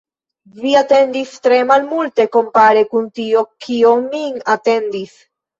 Vi atendis tre malmulte, kompare kun tio, kio min atendis.